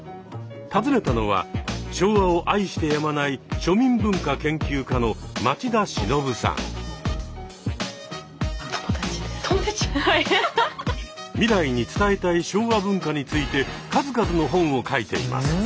訪ねたのは昭和を愛してやまない未来に伝えたい昭和文化について数々の本を書いています。